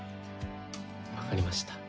分かりました。